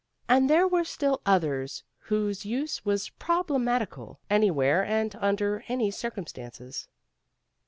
And there were still others whose use was prob lematical, anywhere and under any circum stances.